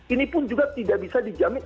ini pun juga tidak bisa dijamin